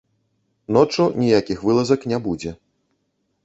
Ноччу ніякіх вылазак не будзе.